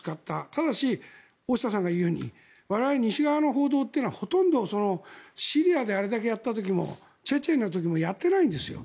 ただし、大下さんが言うように我々、西側の報道というのはほとんどシリアであれだけやった時もチェチェンの時もやってないんですよ。